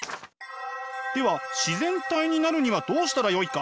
では自然体になるにはどうしたらよいか？